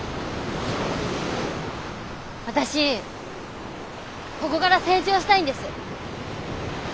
私ここから成長したいんです。